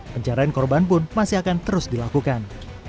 pencarian korban pun masih akan terus dilakukan